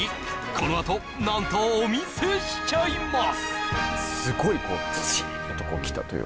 このあと何とお見せしちゃいます